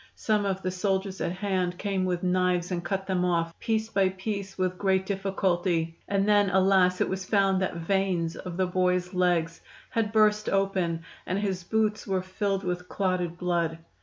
Some of the soldiers at hand came with knives and cut them off, piece by piece, with great difficulty, and then, alas! it was found that veins of the boy's legs had burst open, and his boots were filled with clotted blood.